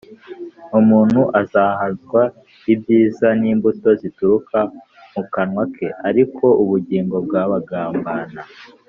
umuntu azahazwa ibyiza n’imbuto zituruka mu kanwa ke, ariko ubugingo bw’abagambana